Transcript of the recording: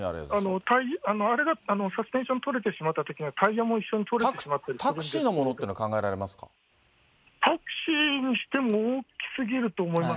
あれが、サスペンションが取れてしまったときには、タイヤも一緒に取れてしまったりタクシーのものっていうのはタクシーにしても大きすぎると思います。